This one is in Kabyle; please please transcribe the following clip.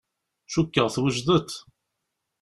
Cukkeɣ twejdeḍ.